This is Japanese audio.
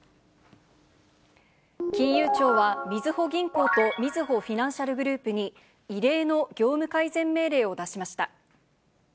金融庁は、みずほ銀行とみずほフィナンシャルグループに、異例の業務改善命令を出しました。